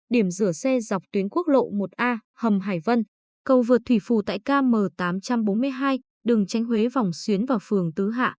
điểm rửa xe dọc tuyến quốc lộ một a hầm hải vân cầu vượt thủy phù tại km tám trăm bốn mươi hai đường tránh huế vòng xuyến và phường tứ hạ